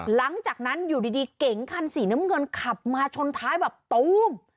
หลังจากนั้นอยู่ดีเก๋งคันสีน้ำเงินขับมาชนท้ายแบบตูม